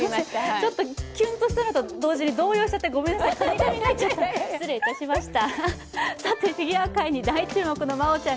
ちょっとキュンとしたのと同時に動揺しちゃってすみません